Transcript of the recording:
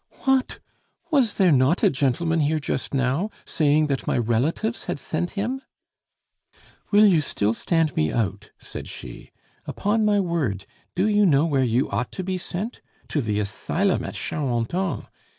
"What! was there not a gentleman here just now, saying that my relatives had sent him?" "Will you still stand me out?" said she. "Upon my word, do you know where you ought to be sent? To the asylum at Charenton.